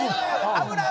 危ない！